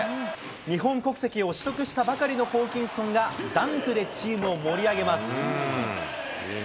日本国籍を取得したばかりのホーキンソンが、ダンクでチームを盛り上げます。